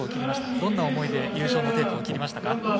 どんな思いで優勝のテープを切りましたか？